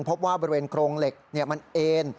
พบว่าบริเวณโครงเหล็กมันเอ็น